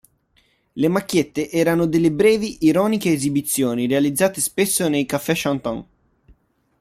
Le macchiette erano delle brevi, ironiche esibizioni realizzate spesso nei Cafè-chantant.